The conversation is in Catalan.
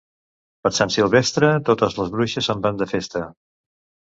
Per Sant Silvestre, totes les bruixes se'n van de festa.